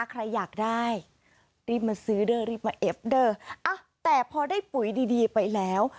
ใครอยากได้รีบมาซื้อเด้อรีบมาเอฟเดอร์แต่พอได้ปุ๋ยดีดีไปแล้ว